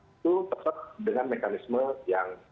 itu tetap dengan mekanisme yang